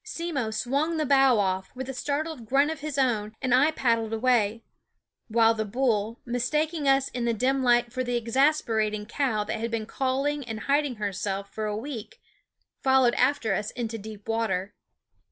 Simmo swung the bow off, with a startled grunt of his own, and I pad dled away; while the bull, mistaking us in the dim light for the exasperating cow that had been calling and hiding herself for a week, followed after us into deep water.